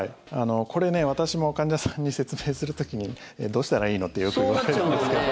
これね私も患者さんに説明する時にどうしたらいいの？ってよく言われるんですけど。